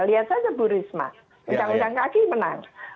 lihat saja bu risma utang utang kaki menang